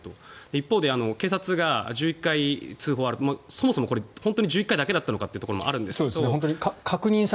一方で、警察が１１回、通報があってそもそもこれ本当に１１回だけだったのかというところもありますが。